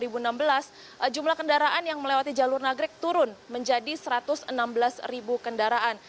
tiga juli dua ribu enam belas jumlah kendaraan yang melewati jalur nagrek turun menjadi satu ratus enam belas ribu kendaraan